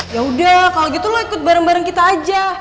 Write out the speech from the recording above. yaudah kalau gitu lo ikut bareng bareng kita aja